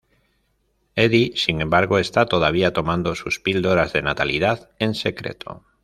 Edie, sin embargo, está todavía tomando sus píldoras de natalidad en secreto.